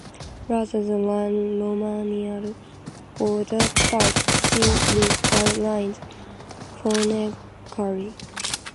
Rather than learn Romanian for the part, she read her lines phonetically.